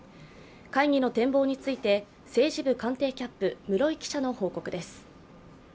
会議の展望について政治部官邸キャップ室井記者の報告です。